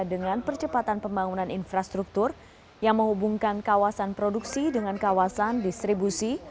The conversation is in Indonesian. dengan percepatan pembangunan infrastruktur yang menghubungkan kawasan produksi dengan kawasan distribusi